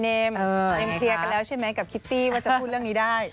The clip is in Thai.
เมมเคลียร์กันแล้วใช่ไหมกับคิตตี้ว่าจะพูดเรื่องนี้ได้